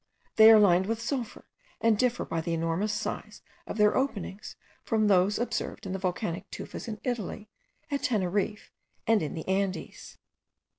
They are lined with sulphur, and differ by the enormous size of their openings from those observed in volcanic tufas* in Italy, at Teneriffe, and in the Andes.